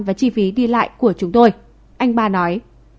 và chi phí đi lại của chúng tôi anh ba nói